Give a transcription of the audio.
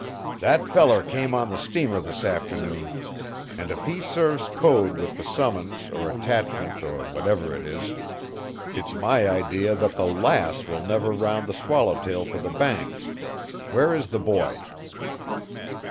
"That feller came on the steamer this afternoon, an' if he serves Code with the summons or attachment or whatever it is, it's my idea that the Lass will never round the Swallowtail for the Banks. Where is the boy?"